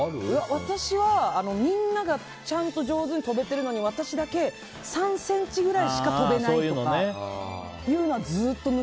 私はみんながちゃんと上手に飛べてるのに私だけ３ｃｍぐらいしか飛べないとか。